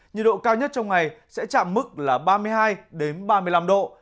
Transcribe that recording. nhiệt độ cao nhất trong ngày sẽ chạm mức là ba mươi hai ba mươi năm độ